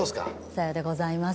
さようでございます。